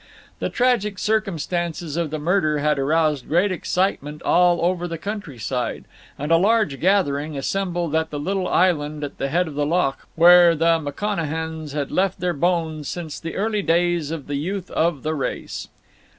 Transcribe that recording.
The tragic circumstances of the murder had aroused great excitement all over the countryside, and a large gathering assembled at the little island at the head of the loch, where the McConachans had left their bones since the early days of the youth of the race.